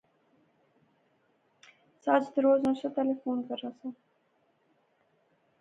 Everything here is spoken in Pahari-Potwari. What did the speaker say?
ساجد روز نصرتا لے فون کرنا سا